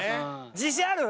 自信ある？